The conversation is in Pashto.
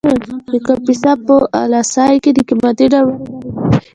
د کاپیسا په اله سای کې د قیمتي ډبرو نښې دي.